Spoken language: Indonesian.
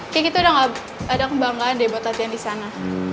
kayak gitu udah ada kebanggaan deh buat latihan di sana